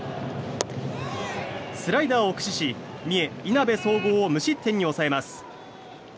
スライダーを駆使し三重・いなべ総合を無失点に抑えます。